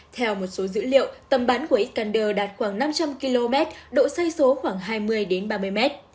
theo một số dữ liệu tầm bắn của iskander đạt khoảng năm trăm linh km độ xoay số khoảng hai mươi ba mươi m